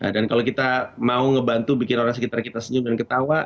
dan kalau kita mau ngebantu bikin orang sekitar kita senyum dan ketawa